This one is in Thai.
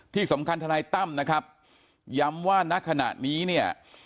ที่สำคัญทนายตั้มนะครับย้ำว่านักขณะนี้เนี่ย